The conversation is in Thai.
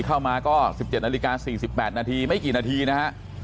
เข้ามาก็สิบเจ็ดนาฬิกาสี่สิบแปดนาทีไม่กี่นาทีนะฮะ